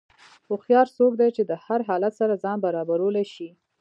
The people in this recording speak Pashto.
هوښیار څوک دی چې د هر حالت سره ځان برابرولی شي.